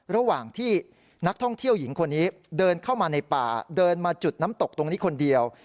ระหว่างที่นักท่องเที่ยวหญิงคนนี้เดินเข้ามาในป่าเดินมาจุดน้ำตกตรงนี้คนเดียว